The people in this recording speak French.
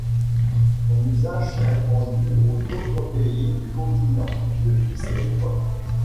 Son usage s'est répandu aux autres pays du continent depuis cette époque.